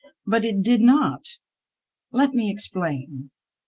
But it did not. Let me explain.